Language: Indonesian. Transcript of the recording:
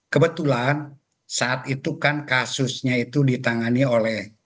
kebetulan saat itu kan kasusnya itu ditangani oleh